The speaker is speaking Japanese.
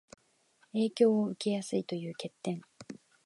影響を受けやすいという欠点